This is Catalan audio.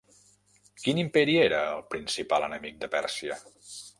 Quin imperi era el principal enemic de Pèrsia?